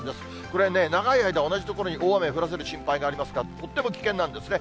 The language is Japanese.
これね、長い間、同じ所に大雨を降らせる心配がありますから、とっても危険なんですね。